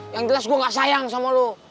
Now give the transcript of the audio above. yang jelas gua gak sayang sama lu